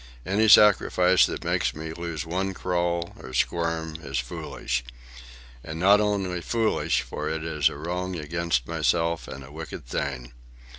Any sacrifice that makes me lose one crawl or squirm is foolish,—and not only foolish, for it is a wrong against myself and a wicked thing.